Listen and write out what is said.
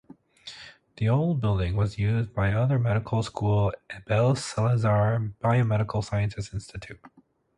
The old building was used by other medical school Abel Salazar Biomedical Sciences Institute.